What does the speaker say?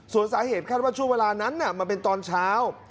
ส่วนสาเหตุคาดว่าช่วงเวลานั้นมันเป็นตอนเช้า